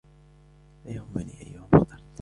لا يهمني أيهم اخترت.